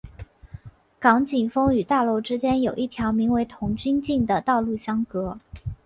港景峰与大楼之间有一条名为童军径的道路相隔。